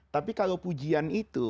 tapi kalau pujian itu